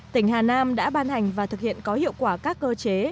tỉnh hà nam đã ban hành và thực hiện có hiệu quả các cơ chế